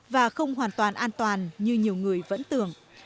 và không hoàn toàn an toàn như nhiều người vẫn tưởng